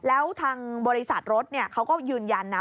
แล้วทางบริษัทรถเขาก็ยืนยันนะ